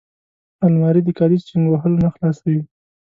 الماري د کالي چینګ وهلو نه خلاصوي